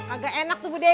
agak enak tuh budetnya